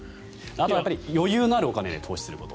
あとは余裕のあるお金で投資をすること。